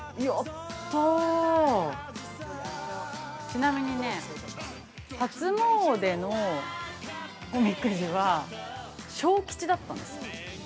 ちなみにね、初詣のおみくじは小吉だったんです。